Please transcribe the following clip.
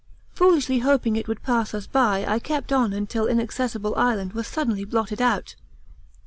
Foolishly hoping it would pass us by I kept on until Inaccessible Island was suddenly blotted out.